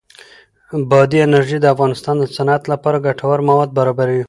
بادي انرژي د افغانستان د صنعت لپاره ګټور مواد برابروي.